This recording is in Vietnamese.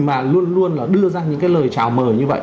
mà luôn luôn đưa ra những cái lời trào mời như vậy